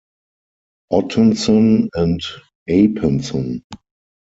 Ottensen and Apensen.